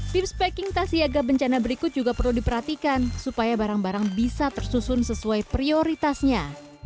tips packing tas siaga bencana berikut juga perlu diperhatikan supaya barang barang bisa tersusun sesuai prioritasnya